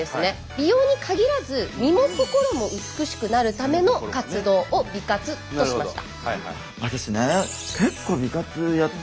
美容に限らず身も心も美しくなるための活動を美活としました。